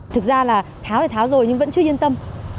thực ra là tháo để tháo rồi nhưng vẫn chưa yên tâm